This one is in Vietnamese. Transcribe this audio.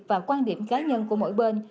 và quan điểm cá nhân của mỗi bên